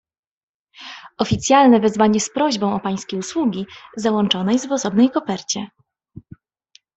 "„Oficjalne wezwanie z prośbą o pańskie usługi załączone jest w osobnej kopercie."